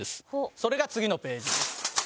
それが次のページです。